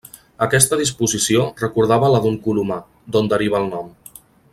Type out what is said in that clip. Aquesta disposició recordava la d'un colomar, d'on deriva el nom.